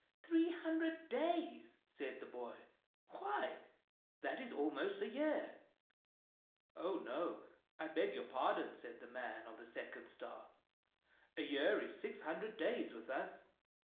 "Three hundred days!" said the boy. "Why, that is almost a year." " Oh, no, I beg your pardon," said the man of the second star, " a year is six hundred days with us."